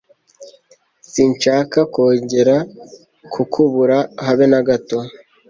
Sinshaka kongera kukubura habe n'agato.